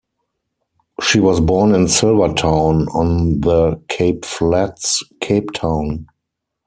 She was born in Silvertown, on the Cape Flats, Cape Town.